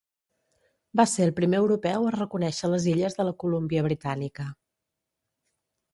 Va ser el primer europeu a reconèixer les illes de la Colúmbia Britànica.